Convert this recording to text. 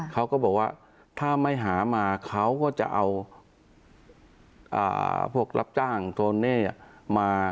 เขาก็บอกว่าถ้าไม่หามาเขาก็จะเอาพวกรับจ้างโทเน่มา